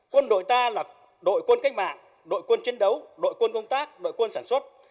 quân đội ta là đội quân cách mạng đội quân chiến đấu đội quân công tác đội quân sản xuất